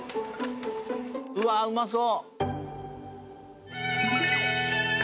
うわあうまそう！